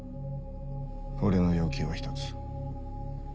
俺の要求は１つ。